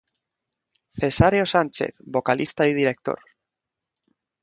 Cesáreo Sánchez-Vocalista y director.